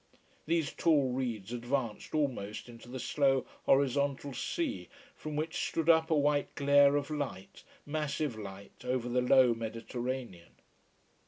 These tall reeds advanced almost into the slow, horizontal sea, from which stood up a white glare of light, massive light over the low Mediterranean.